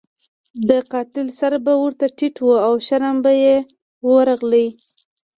د قاتل سر به ورته ټیټ وو او شرم به یې ورغلو.